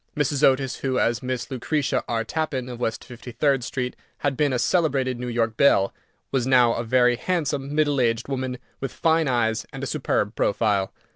Mrs. Otis, who, as Miss Lucretia R. Tappan, of West 53d Street, had been a celebrated New York belle, was now a very handsome, middle aged woman, with fine eyes, and a superb profile.